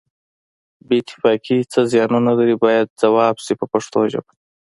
بې اتفاقي څه زیانونه لري باید ځواب شي په پښتو ژبه.